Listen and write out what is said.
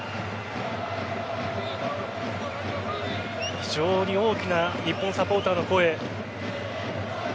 非常に大きな日本サポーターの声。